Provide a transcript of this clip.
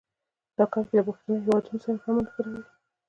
دا کرښې له بهرنیو هېوادونو سره هم نښلوي.